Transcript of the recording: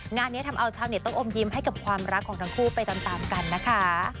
งานนี้ทำเอาชาวเน็ตต้องอมยิ้มให้กับความรักของทั้งคู่ไปตามกันนะคะ